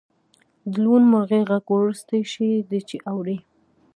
د لوون مرغۍ غږ وروستی شی دی چې اورئ